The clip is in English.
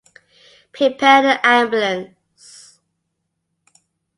Prepare an ambulance.